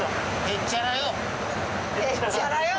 へっちゃらよ！